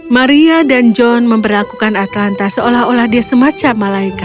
maria dan john memperlakukan atlanta seolah olah dia semacam malaikat